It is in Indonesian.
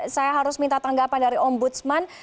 saya harus minta tanggapan dari ombudsman